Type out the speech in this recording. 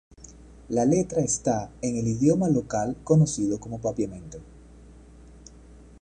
La letra están en el idioma local conocido como papiamento.